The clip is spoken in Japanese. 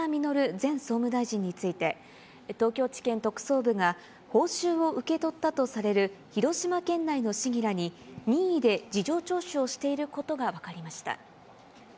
前総務大臣について、東京地検特捜部が報酬を受け取ったとされる広島県内の市議らに、任意で事情聴取をしていることが分かりました。